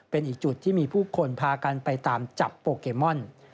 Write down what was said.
เป็นอีกจุดที่มีผู้คนพากันไปตามจับโปเกมอน